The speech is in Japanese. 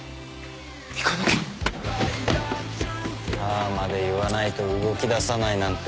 ああまで言わないと動きださないなんて